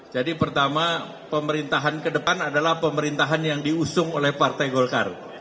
jadi pertama pemerintahan ke depan adalah pemerintahan yang diusung oleh partai golkar